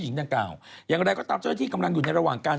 หญิงทางเก่าอย่างแรกก็ตามที่กำลังอยู่ในระหว่างการ